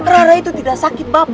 rara itu tidak sakit bapak